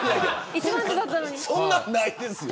そんなのないですよ。